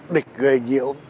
địch gây nhiễu